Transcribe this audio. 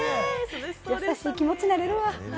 優しい気持ちになれるわ。